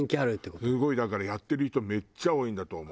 すごいだからやってる人めっちゃ多いんだと思う。